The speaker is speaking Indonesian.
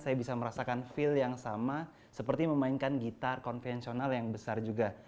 saya bisa merasakan feel yang sama seperti memainkan gitar konvensional yang besar juga